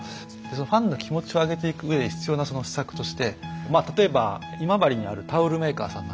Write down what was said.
ファンの気持ちを上げていくうえで必要なその施策として例えば今治にあるタオルメーカーさんなんかはですね